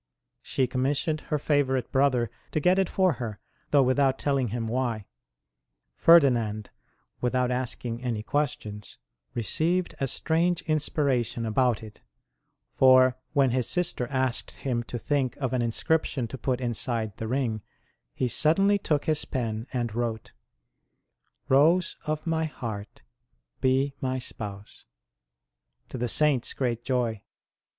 She commissioned her favourite brother to get it for her, though without telling him why. Ferdinand, without asking any questions, received a strange inspiration about it ; for when his sister asked him to think of an inscription to put inside the ring, he suddenly took his pen and wrote : Rose of My heart, be My Spouse to the Saint s great joy.